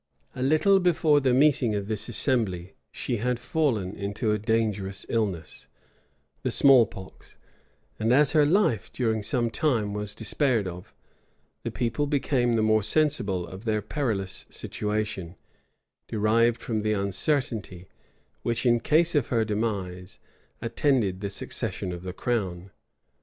A little before the meeting of this assembly, she had fallen into a dangerous illness, the small pox; and as her life, during some time, was despaired of, the people became the more sensible of their perilous situation, derived from the uncertainty, which, in case of her demise, attended the succession of the crown.